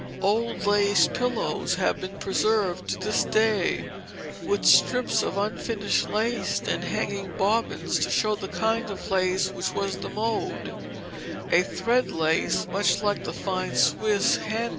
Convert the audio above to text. Old lace pillows have been preserved to this day, with strips of unfinished lace and hanging bobbins, to show the kind of lace which was the mode a thread lace much like the fine Swiss hand made laces.